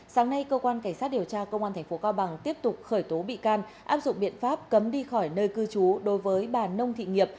sáng nay cơ quan cảnh sát điều tra công an tp cao bằng tiếp tục khởi tố bị can áp dụng biện pháp cấm đi khỏi nơi cư trú đối với bà nông thị nghiệp